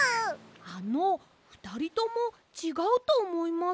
あのふたりともちがうとおもいます。